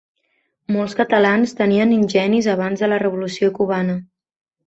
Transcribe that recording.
Molts catalans tenien ingenis abans de la revolució cubana.